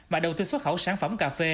mà đầu tư xuất khẩu sản phẩm cà phê